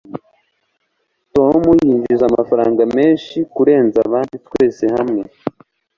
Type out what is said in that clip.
tom yinjiza amafaranga menshi kurenza abandi twese hamwe